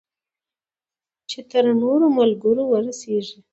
چې تر نورو ملګرو ورسیږي.